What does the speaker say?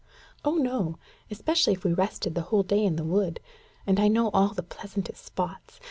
"Oh, no; especially if we rested the whole day in the wood; and I know all the pleasantest spots.